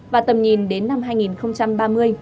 và tầm nhìn đến năm hai nghìn ba mươi